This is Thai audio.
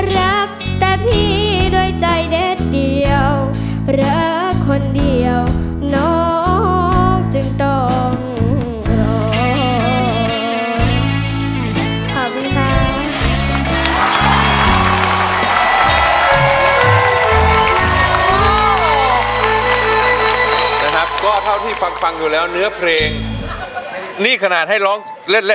รักแต่พี่ด้วยใจเด็ดเดียวรักคนเดียวน้องจึงต้องรอ